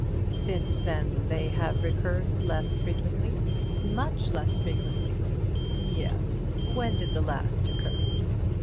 Since then they have recurred less frequently?" "Much less frequently." "Yes—when did the last occur?"